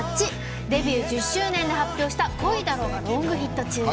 デビュー１０周年で発表した「恋だろ」がロングヒット中。